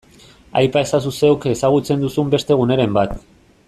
Aipa ezazu zeuk ezagutzen duzun beste guneren bat.